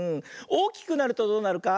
おおきくなるとどうなるか。